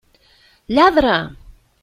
Lladre!